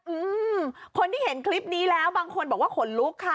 อืมคนที่เห็นคลิปนี้แล้วบางคนบอกว่าขนลุกค่ะ